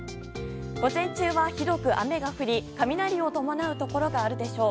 午前中は広く雨が降り雷を伴うところがあるでしょう。